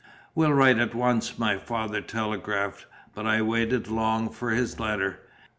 "Will write at once," my father telegraphed; but I waited long for his letter.